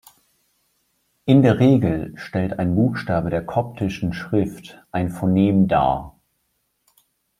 In der Regel stellt ein Buchstabe der koptischen Schrift ein Phonem dar.